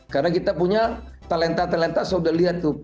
karena kita punya talenta talenta sudah lihat tuh